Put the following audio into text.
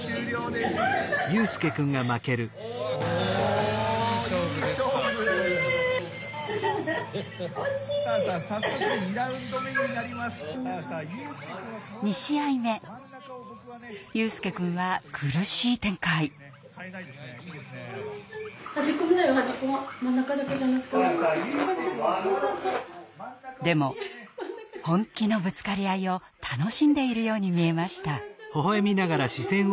でも本気のぶつかり合いを楽しんでいるように見えました。